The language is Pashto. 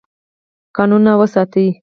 کانونه وساتئ.